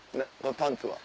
パンツは。